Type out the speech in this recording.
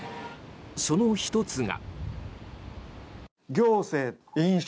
その１つが。